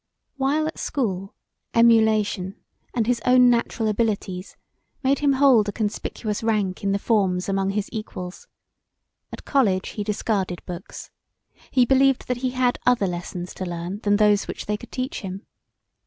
While at school, emulation and his own natural abilities made him hold a conspicuous rank in the forms among his equals; at college he discarded books; he believed that he had other lessons to learn than those which they could teach him.